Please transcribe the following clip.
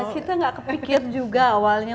kita gak kepikir juga awalnya